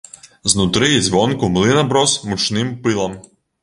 Знутры і звонку млын аброс мучным пылам.